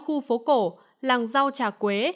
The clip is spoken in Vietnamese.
khu phố cổ làng rau trà quế